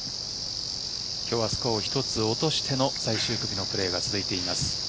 今日はスコアを１つ落としての最終組のプレーが続いています。